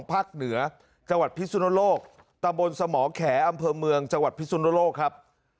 ภาคเหนือจังหวัดพิสุนโลกตะบนสมแขอำเภอเมืองจังหวัดพิสุนโลกครับ